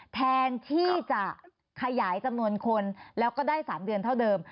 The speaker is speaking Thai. แทนที่จะขยายจำนวนคนแล้วก็ได้๓เดือนเท่าเดิม